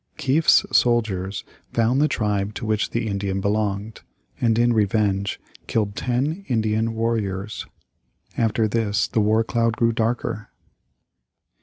Kieft's soldiers found the tribe to which the Indian belonged, and in revenge killed ten Indian warriors. After this the war cloud grew darker.